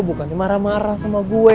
bukannya marah marah sama gue